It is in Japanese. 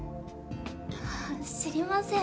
知りません